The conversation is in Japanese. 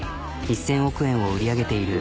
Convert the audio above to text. １、０００億円を売り上げている。